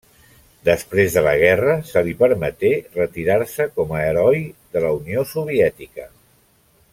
Després de la guerra se li permeté retirar-se com a Heroi de la Unió Soviètica.